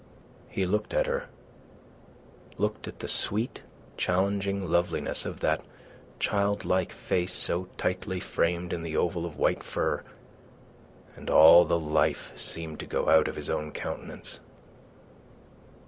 He looked at her, looked at the sweet, challenging loveliness of that childlike face so tightly framed in the oval of white fur, and all the life seemed to go out of his own countenance.